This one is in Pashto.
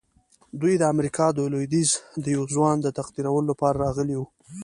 دوی د امریکا د لويديځ د یوه ځوان د تقدیرولو لپاره راغلي وو